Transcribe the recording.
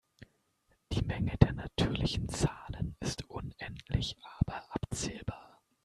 Die Menge der natürlichen Zahlen ist unendlich aber abzählbar.